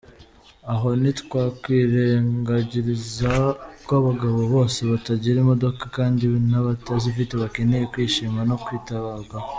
Aha ntitwakwirengagiza ko abagabo bose batagira imodoka kandi n’abatazifite bakeneye kwishima no kwitabwaho.